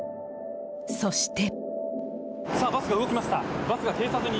そして。